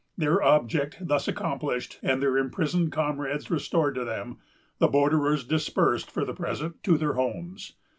Their object thus accomplished, and their imprisoned comrades restored to them, the borderers dispersed for the present to their homes.